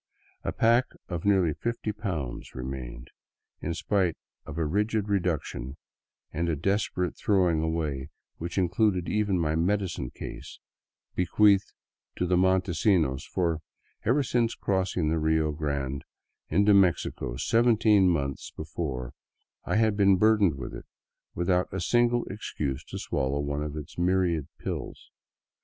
A pack of nearly fifty pounds remained, in spite of a rigid reduction and a desperate throwing away which included even my medicine case, be queathed to Montesinos, for ever since crossing the Rio Grande into Mexico seventeen months before I had been burdened with it, without a single excuse to swallow one of its myriad pills.